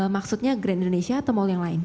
maksudnya grand indonesia atau mall yang lain